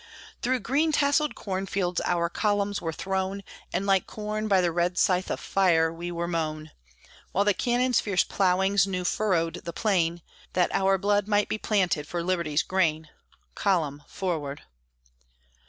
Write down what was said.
Through green tasselled cornfields our columns were thrown, And like corn by the red scythe of fire we were mown; While the cannon's fierce ploughings new furrowed the plain, That our blood might be planted for Liberty's grain "Column! Forward!"